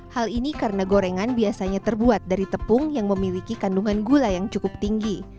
hal ini karena gorengan biasanya terbuat dari tepung yang memiliki kandungan gula yang cukup tinggi